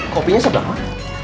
kopinya sebanyak mana